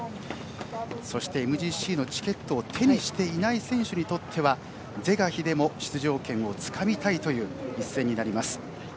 そしてＭＧＣのチケットを手にしていない選手にとっては是が非でも出場権をつかみたいという一戦になります。